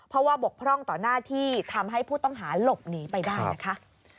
เพราะว่าบกพร่องต่อหน้าที่ทำให้ผู้ต้องหาหลบหนีไปได้นะคะ